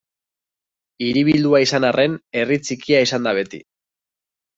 Hiribildua izan arren, herri txikia izan da beti.